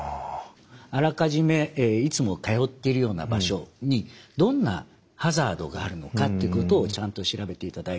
あらかじめいつも通ってるような場所にどんなハザードがあるのかっていうことをちゃんと調べていただいて。